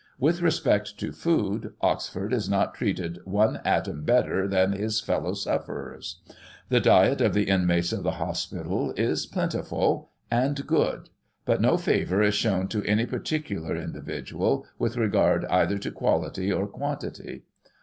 With respect to food, Oxford is not treated one atom better than his fellow sufferers ; the diet of the inmates of the hospital is plentiful and good, but no favour is shown to any particular individual, with regard either to quality, or quantity.